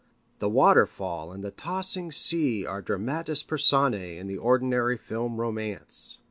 The waterfall and the tossing sea are dramatis personæ in the ordinary film romance.